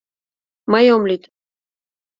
— Мый ом лӱд